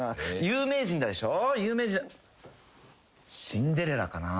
有名人でしょ？